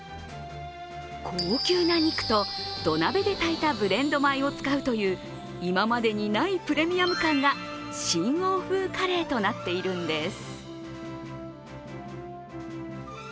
高級な肉と土鍋で炊いたブレンド米を使うという今までにないプレミアム感が新欧風カレーとなっているんです。